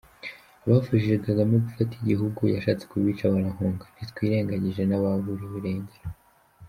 Abafashije Kagame gufata igihugu yashatse kubica barahunga, ntitwirengagije n’ababuriwe irengero.